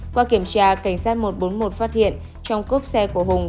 qua kiểm tra cảnh sát một trăm bốn mươi một phát hiện trong cốp xe của hùng